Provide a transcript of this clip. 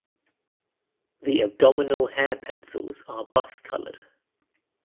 The abdominal hair pencils are buff coloured.